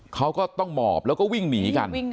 เขาก็ต้องหมอบแล้วก็วิ่งหนีกัน